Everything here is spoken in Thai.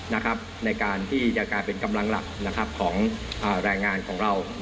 ในการที่จะกลายเป็นกำลังหลักของแรงงานของเรา